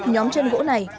nhóm chân gỗ này